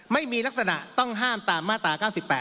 ไม่มีลักษณะต้องห้ามตามมาตรา๙๘